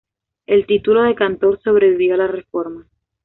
El título de "Kantor" sobrevivió a la Reforma.